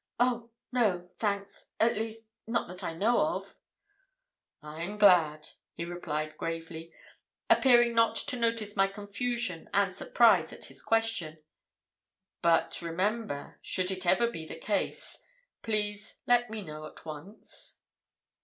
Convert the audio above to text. Oh no, thanks, at least, not that I know of—' "'I'm glad,' he replied gravely, appearing not to notice my confusion and surprise at his question. 'But, remember, should it ever be the case, please let me know at once.'